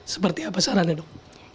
seperti apa sarannya dok